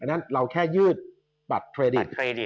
นั้นเราแค่ยืดบัตรเครดิต